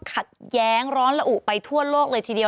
ขัดแย้งร้อนละอุไปทั่วโลกเลยทีเดียว